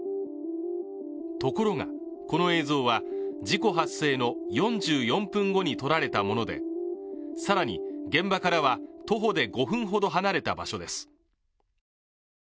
ところが、この映像は事故発生の４４分後に撮られたもので、更に現場からは徒歩で５分ほど離れた場所です。